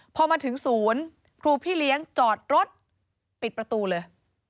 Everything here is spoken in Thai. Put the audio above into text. พอมาถึงศูนย์ครูพี่เลี้ยงจอดรถปิดประตูเลย